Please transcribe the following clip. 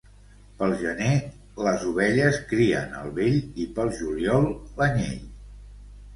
Pel gener les ovelles crien el vell i pel juliol l'anyell.